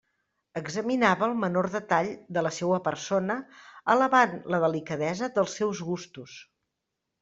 Examinava el menor detall de la seua persona, alabant la delicadesa dels seus gustos.